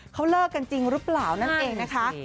เขาเลิกกันจริงหรือเปล่านั่นเองนะคะ